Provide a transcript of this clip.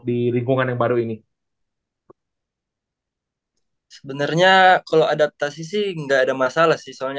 di lingkungan yang baru ini sebenarnya kalau adaptasi sih enggak ada masalah sih soalnya